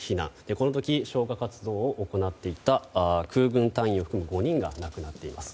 この時、消火活動を行っていた空軍隊員を含む５人が亡くなっています。